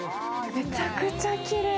めちゃくちきれい。